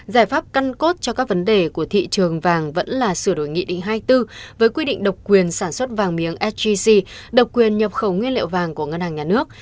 giải pháp căn cốt cho các vấn đề của thị trường vàng vẫn là sửa đổi nghị định hai mươi bốn với quy định độc quyền sản xuất vàng miếng sgc độc quyền nhập khẩu nguyên liệu vàng của ngân hàng nhà nước